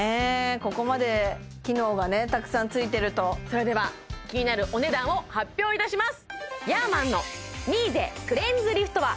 ここまで機能がねたくさんついてるとそれではキニナルお値段を発表いたします